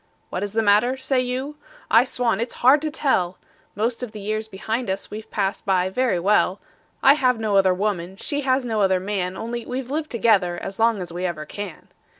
"What is the matter?" say you. I swan it's hard to tell! Most of the years behind us we've passed by very well; I have no other woman, she has no other man Only we've lived together as long as we ever can.